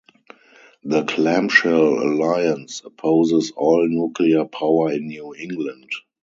The Clamshell Alliance opposes all nuclear power in New England.